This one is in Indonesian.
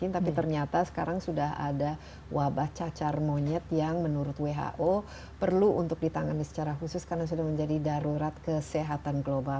tapi ternyata sekarang sudah ada wabah cacar monyet yang menurut who perlu untuk ditangani secara khusus karena sudah menjadi darurat kesehatan global